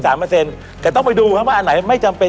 แต่ต้องไปดูครับว่าอันไหนไม่จำเป็น